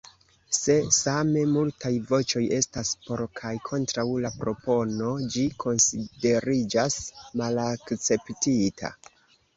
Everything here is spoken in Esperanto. Se same multaj voĉoj estas por kaj kontraŭ la propono, ĝi konsideriĝas malakceptita.